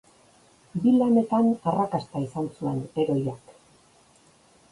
Bi lanetan arrakasta izan zuen heroiak.